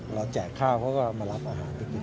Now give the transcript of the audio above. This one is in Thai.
แจกข้าวเขาก็มารับอาหารไปกิน